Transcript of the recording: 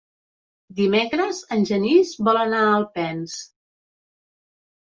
Dimecres en Genís vol anar a Alpens.